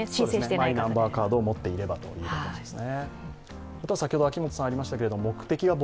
マイナンバーカードを持っていればということですね。